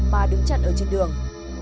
mà đứng chặn ở trên đường